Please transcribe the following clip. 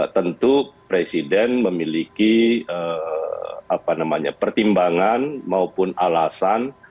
tentu presiden memiliki pertimbangan maupun alasan